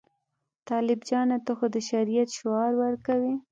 طالب جانه ته خو د شریعت شعار ورکوې.